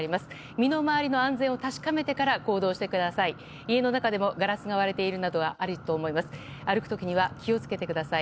身の回りの安全を確かめてから行動してください。